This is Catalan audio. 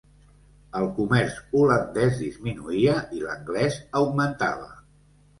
El comerç holandès disminuïa i l'anglès augmentava.